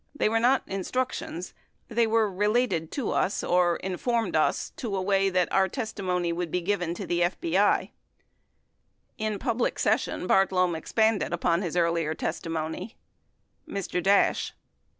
They were not instruc tions ; they were related to us, or informed us to a way that our testimony would be given to the FBI. 24 In public session, Bartlome expanded upon his earlier testimony: Mr. Dash.